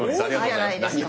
王子じゃないですか。